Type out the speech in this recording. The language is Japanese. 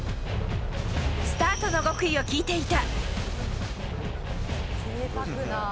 スタートの極意を聞いていた。